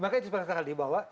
maka itu sepatutnya dibawa